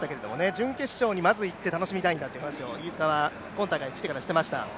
準決勝にまず行って、楽しみたいんですという話を飯塚は今大会、来てから話していました。